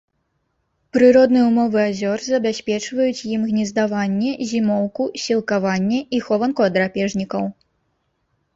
Прыродныя ўмовы азёр забяспечваюць ім гнездаванне, зімоўку, сілкаванне і хованку ад драпежнікаў.